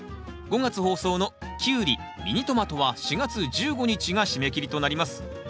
５月放送のキュウリミニトマトは４月１５日が締め切りとなります。